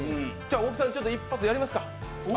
大木さん、一発やりますか。